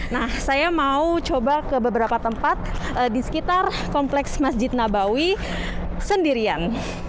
nah saya mau coba ke beberapa tempat di sekitar kompleks masjid nabawi sendirian